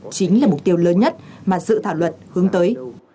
chính là mục tiêu lớn nhất mà dự thảo luật hướng tới